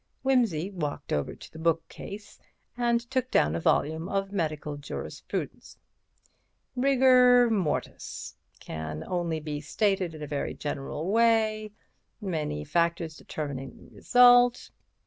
Wimsey walked over to the bookshelf and took down a volume of Medical Jurisprudence. "'Rigor mortis—can only be stated in a very general way—many factors determine the result.'